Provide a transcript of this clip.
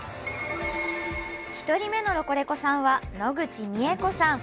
１人目のロコレコさんは野口美枝子さん。